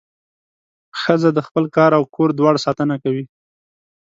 ښځه د خپل کار او کور دواړو ساتنه کوي.